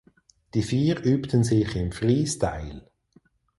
Die vier übten sich im Freestyle.